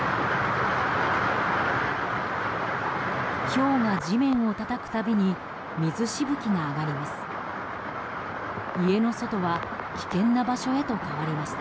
ひょうが地面をたたく度に水しぶきが上がります。